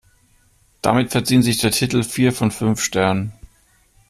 Damit verdient sich der Titel vier von fünf Sternen.